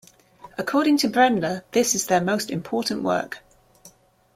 According to Brenda, this is their most important work.